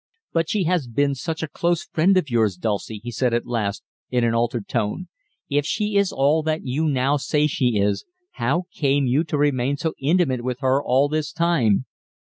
"But she has been such a close friend of yours, Dulcie," he said at last, in an altered tone. "If she is all that you now say she is, how came you to remain so intimate with her all this time?"